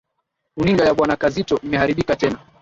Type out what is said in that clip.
Runinga ya Bwana Kazito imeharibika tena.